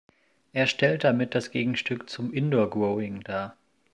Er stellt damit das Gegenstück zum Indoor-Growing dar.